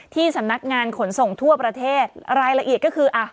ที่สำนักงานขนส่งทั่วประเทศรายละเอียดก็คืออ่ะ